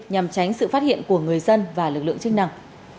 nhằm tránh sự phát hiện của người dân và lực lượng chức năng